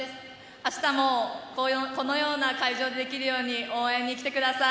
明日もこのような会場でできるように応援に来てください。